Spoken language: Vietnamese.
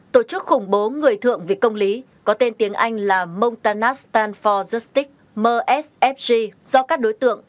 hai tổ chức khủng bố người thượng vì công lý có tên tiếng anh là montanastanforjustice msfg do các đối tượng